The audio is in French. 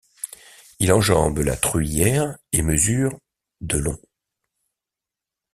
Il enjambe la Truyère, et mesure de long.